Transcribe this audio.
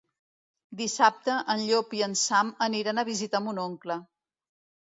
Dissabte en Llop i en Sam aniran a visitar mon oncle.